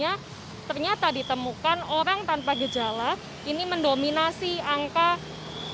yang kedua kantornya saat ini operasionalnya sudah dihentikan sementara dan diisolasi mulai dua puluh bulan